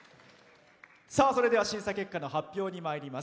それでは審査結果の発表にまいります。